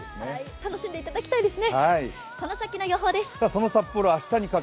楽しんでいただきたいですね。